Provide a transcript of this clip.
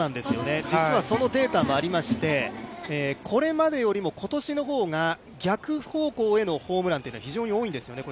実はそのデータもありまして、これまでよりも今年の方が逆方向へのホームランが非常に多いんですよね。